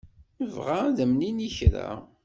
Nebɣa ad am-nini kra.